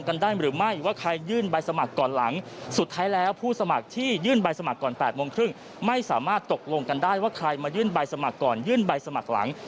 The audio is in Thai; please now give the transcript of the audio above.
ใครมายื่นใบสมัครก่อนยื่นใบสมัครหลัง